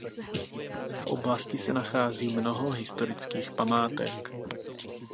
V oblasti se nachází mnoho historických památek.